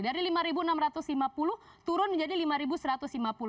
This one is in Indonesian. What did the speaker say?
dari rp lima enam ratus lima puluh turun menjadi rp lima satu ratus lima puluh